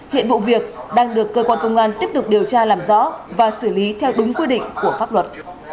hiện vụ việc đang được cơ quan công an tiếp tục điều tra làm rõ và xử lý theo đúng quy định của pháp luật